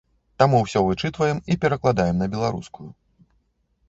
Таму ўсё вычытваем і перакладаем на беларускую.